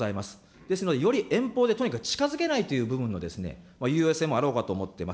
ですので、より遠方でとにかく近づけないという部分の優位性もあろうかと思っています。